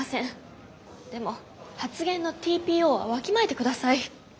でも発言のＴＰＯはわきまえて下さい。